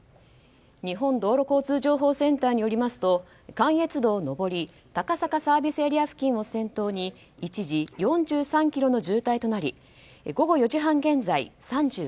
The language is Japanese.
日本道路交通情報センターによりますと関越道上り高坂ＳＡ付近を先頭に一時４３ｋｍの渋滞となり午後４時半現在３８ｋｍ